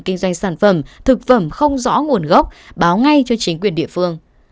kinh doanh sản phẩm thực phẩm không rõ nguồn gốc báo ngay cho chính quyền địa phương